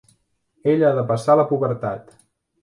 Ella ha de passar la pubertat.